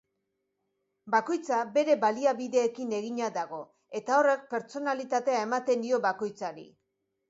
Bakoitza bere baliabideekin egina dago, eta horrek pertsonalitatea ematen dio bakoitzari.